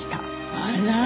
あら！